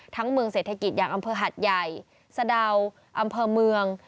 เมืองเศรษฐกิจอย่างอำเภอหัดใหญ่สะดาวอำเภอเมือง